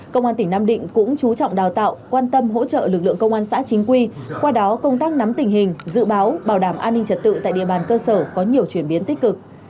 công an tỉnh nam định cũng chú trọng đào tạo quan tâm hỗ trợ lực lượng công an xã chính quy qua đó công tác nắm tình hình dự báo bảo đảm an ninh trật tự tại địa bàn cơ sở có nhiều chuyển biến tích cực